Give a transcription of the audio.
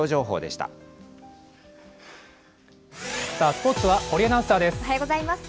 スポーツは堀アナウンサーです。